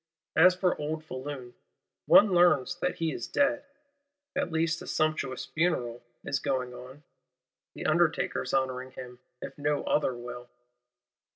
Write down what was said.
—As for old Foulon, one learns that he is dead; at least a "sumptuous funeral" is going on; the undertakers honouring him, if no other will.